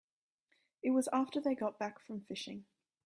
It was after they got back from fishing.